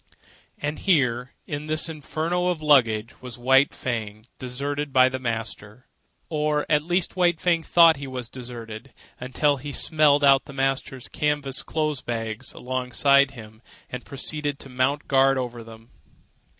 And here, in this inferno of luggage, was White Fang deserted by the master. Or at least White Fang thought he was deserted, until he smelled out the master's canvas clothes bags alongside of him, and proceeded to mount guard over them.